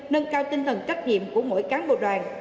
nâng cao tinh thần trách nhiệm của mỗi cán bộ đoàn